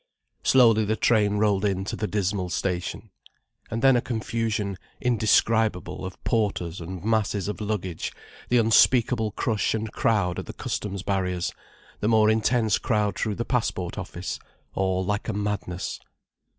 Slowly the train rolled in to the dismal station. And then a confusion indescribable, of porters and masses of luggage, the unspeakable crush and crowd at the customs barriers, the more intense crowd through the passport office, all like a madness.